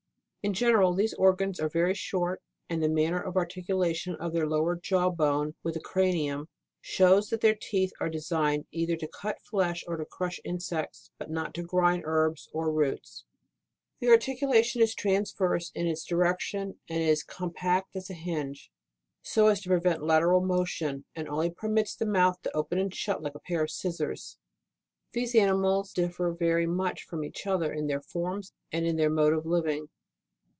In general, these organs are very short, and the manner of articu lation of their lower jaw bone with the cranium, shows that their teeth are designed either to cut flesh or to crush insects, but not to grind herbs or roots : the articulation is transverse in its direc tion, and is as compact as a hinge, so as to prevent lateral motion, and only permits the mouth to open and shut, like a pair of scissors. 4. These animals differ very much from each other in their forms and in their mode of living.